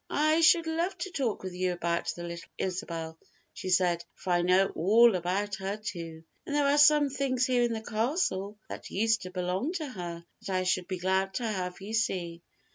"I should love to talk with you about the little Isabel," she said, "for I know all about her too, and there are some things here in the castle that used to belong to her that I should be glad to have you see.